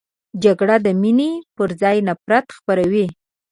جګړه د مینې پر ځای نفرت خپروي